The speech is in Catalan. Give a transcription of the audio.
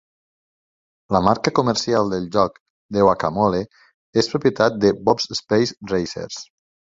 La marca comercial del joc The Whac-A-Mole és propietat de Bob's Space Racers.